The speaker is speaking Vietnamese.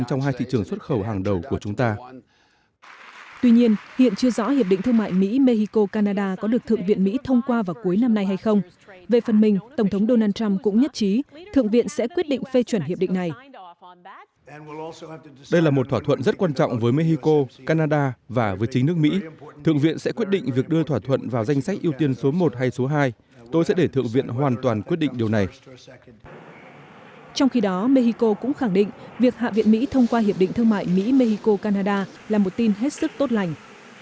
trong khi đó mexico cũng khẳng định việc hạ viện mỹ thông qua hiệp định thương mại mỹ mexico canada là một tin hết sức tốt lành